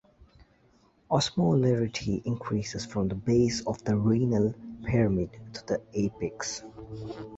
Osmolarity increases from the base of the renal pyramid to the apex.